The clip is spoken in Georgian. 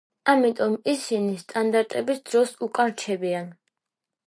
ამიტომ ისინი სტანდარტების დროს უკან რჩებიან.